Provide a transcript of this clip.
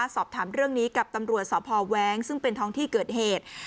สอบถามเรื่องนี้กับตำรวจสพแว้งซึ่งเป็นท้องที่เกิดเหตุ